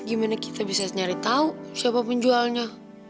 gimana kita bisa nyari tahu siapa penjualnya